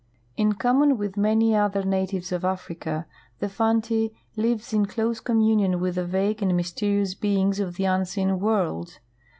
In common with many other natives of Africa, the Fanti lives in close communion with the vague and mysterious beings of the unseen world.